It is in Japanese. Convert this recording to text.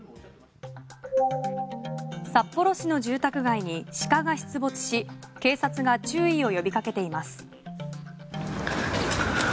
札幌市の住宅街にシカが出没し警察が注意を呼びかけています。